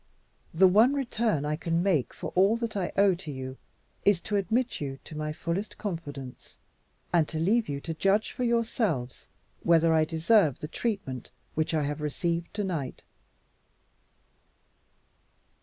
The one return I can make for all that I owe to you is to admit you to my fullest confidence, and to leave you to judge for yourselves whether I deserve the treatment which I have received to night."